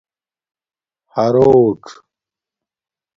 حرݸڅ